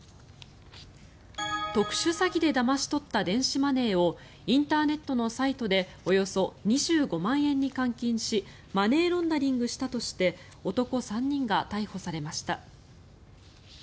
特殊詐欺でだまし取った電子マネーをインターネットのサイトでおよそ２５万円に換金しマネーロンダリングしたとして男３人が逮捕されました。